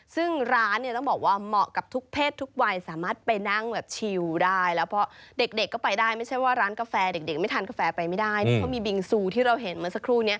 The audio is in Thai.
ซึ่งร้านต้องบอกว่าเหมาะกับทุกเพศทุกวัย